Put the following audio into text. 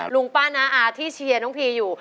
ลุงป้าน้าอาที่เชียร์น้องพีอยู่